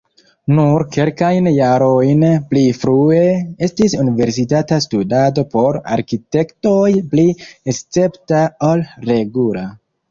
Nur kelkajn jarojn pli frue estis universitata studado por arkitektoj pli escepta ol regula.